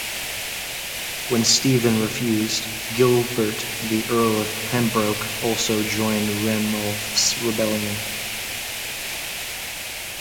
When Stephen refused, Gilbert the Earl of Pembroke also joined Ranulph's rebellion.